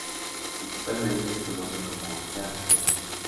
Principalmente se conoce como head-end.